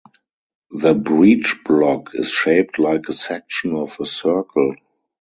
The breechblock is shaped like a section of a circle.